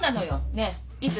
⁉ねぇいつ？